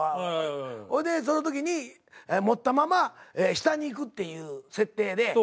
ええ。ほいでその時に持ったまま下に行くっていう設定で。